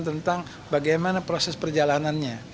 tentang bagaimana proses perjalanannya